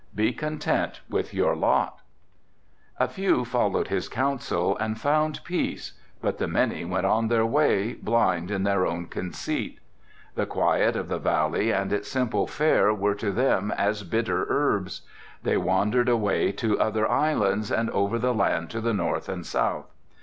"Be content with your lot." "A few followed his counsel and found peace, but the many went on their way, blind in their own conceit. The quiet of the valley and its simple fare were to them as bitter herbs. They wandered away to other islands and over the land to the north and south.